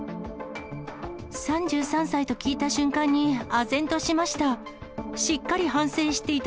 ３３歳と聞いた瞬間に、あぜんとしました。